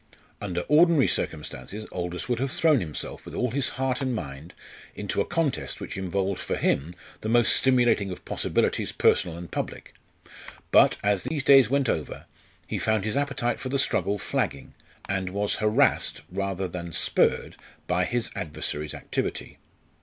Under ordinary circumstances Aldous would have thrown himself with all his heart and mind into a contest which involved for him the most stimulating of possibilities, personal and public. But, as these days went over, he found his appetite for the struggle flagging, and was harassed rather than spurred by his adversary's activity.